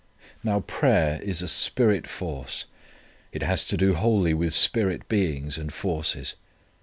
Now prayer is a spirit force, it has to do wholly with spirit beings and forces.